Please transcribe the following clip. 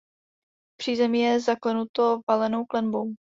Přízemí je zaklenuto valenou klenbou.